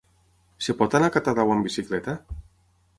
Es pot anar a Catadau amb bicicleta?